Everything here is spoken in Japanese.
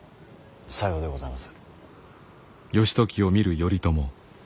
さようでございます。